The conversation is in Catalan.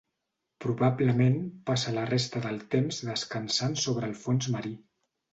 Probablement passa la resta del temps descansant sobre el fons marí.